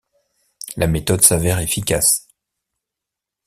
La méthode s’avère efficace.